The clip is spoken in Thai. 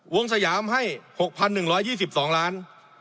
สยามให้๖๑๒๒ล้าน